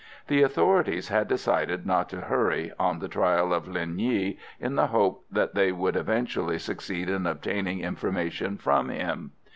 The authorities had decided not to hurry on the trial of Linh Nghi, in the hope that they would eventually succeed in obtaining information from him.